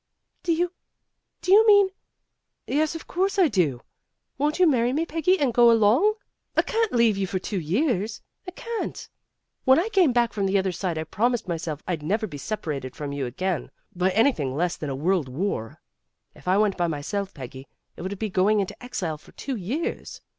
"Do you do you mean " "Yes, of course I do. Won't you marry me, Peggy, and go along? I can't leave you for two years. I can't. When I came back from the other side I promised myself I'd never be separated from you again by anything less than a world war. If I went by myself, Peggy, it would be going into exile for two years.